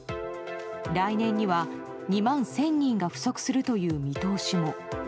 来年には２万１０００人が不足するという見通しも。